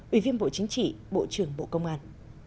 ủy viên bộ chính trị bộ trưởng bộ công an